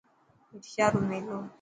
ڀٽ شاهه رو ميلو.